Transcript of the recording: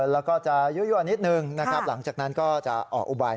แล้วก็จะยั่วนิดนึงนะครับหลังจากนั้นก็จะออกอุบาย